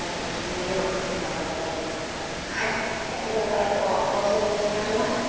次の対局も楽しみにしております。